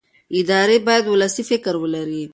ادارې باید ولسي فکر ولري